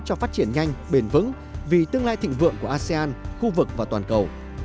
cho phát triển nhanh bền vững vì tương lai thịnh vượng của asean khu vực và toàn cầu